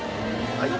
はい。